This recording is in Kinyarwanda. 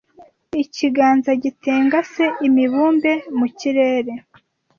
Ikiganza gitengase imibumbe mu kirere